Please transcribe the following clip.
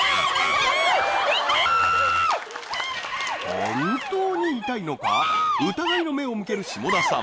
本当に痛いのか疑いの目を向ける下田さん